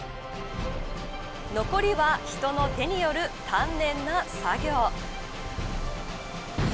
残りは人の手による丹念な作業。